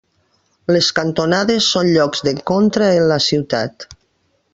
Les cantonades són llocs d'encontre en la ciutat.